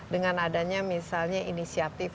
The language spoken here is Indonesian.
dengan adanya misalnya inisiatif